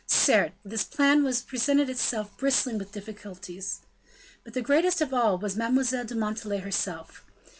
Certes, this plan presented itself bristling with difficulties: but the greatest of all was Mademoiselle de Montalais herself.